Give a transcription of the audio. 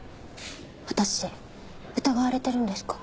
私疑われてるんですか？